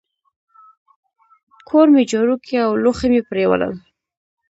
کور مي جارو کی او لوښي مي پرېولل.